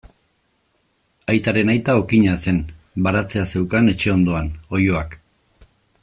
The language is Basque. Aitaren aita okina zen, baratzea zeukan etxe ondoan, oiloak.